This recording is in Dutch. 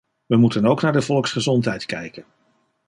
We moeten ook naar de volksgezondheid kijken.